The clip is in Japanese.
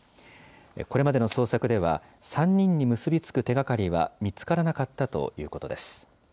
これまでの捜索では、３人に結び付く手がかりは見つからなかったということです。